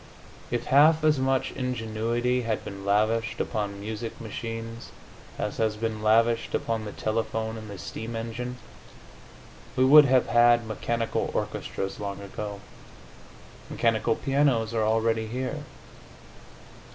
If half as much ingenuity had been lavished upon music machines as has been lavished upon the telephone and the steam engine, we would have had mechanical orchestras long ago. Mechanical pianos are already here.